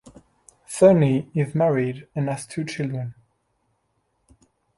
Cerny is married and has two children.